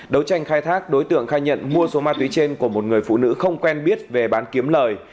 đấu tranh khai thác đối tượng khai nhận mua số ma túy trên của một người phụ nữ không quen biết về bán kiếm lời